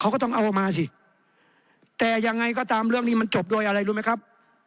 เขาก็ต้องเอามาสิแต่ยังไงก็ตามเรื่องนี้มันจบโดยอะไรรู้ไหมครับ